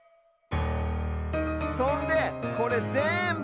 そんでこれぜんぶ